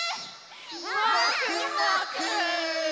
もくもく！